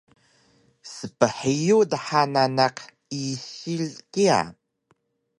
sphiyug dha nanaq isil kiya